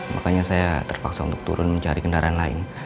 makanya saya terpaksa untuk turun mencari kendaraan lain